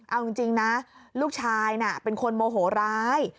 เอาจริงนะลูกชายน่ะเป็นคนโมโหร้าย